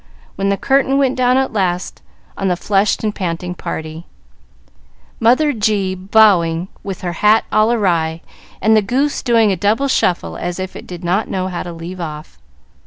when the curtain went down at last on the flushed and panting party, Mother G bowing, with her hat all awry, and the goose doing a double shuffle as if it did not know how to leave off.